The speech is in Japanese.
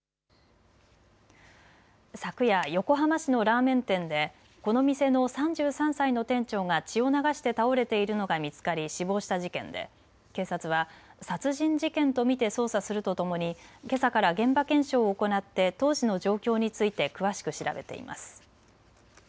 昨夜、横浜市のラーメン店でこの店の３３歳の店長が血を流して倒れているのが見つかり死亡した事件で警察は殺人事件と見て捜査するとともにけさから現場検証を行って当時の状況について詳しく調べています。